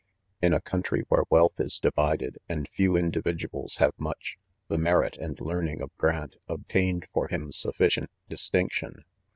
6 In a country where wealth is divided, and few individuals have much, the merit and learning of Grant obtained for him sufficient distinction.